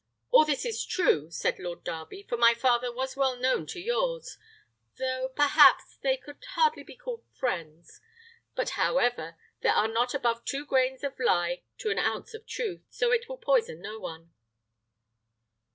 "All this is true," said Lord Darby, "for my father was well known to yours, though, perhaps, they could hardly be called friends; but, however, there are not above two grains of lie to an ounce of truth, so it will poison no one."